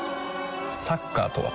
サッカーとは？